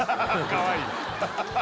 かわいい